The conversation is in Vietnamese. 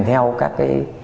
theo các cái